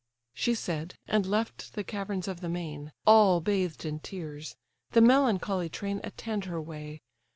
She said, and left the caverns of the main, All bathed in tears; the melancholy train Attend her way.